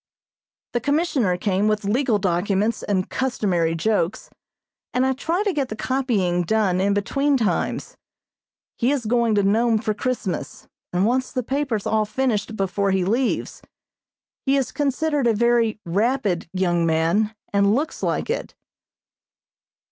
The Commissioner came with legal documents and customary jokes, and I try to get the copying done in between times. He is going to Nome for Christmas, and wants the papers all finished before he leaves. He is considered a very "rapid" young man, and looks like it.